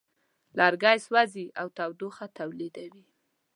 لرګی سوځي او تودوخه تولیدوي.